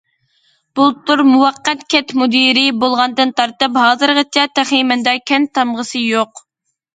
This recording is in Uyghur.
بۇلتۇر مۇۋەققەت كەنت مۇدىرى بولغاندىن تارتىپ ھازىرغىچە تېخى مەندە كەنت تامغىسى يوق.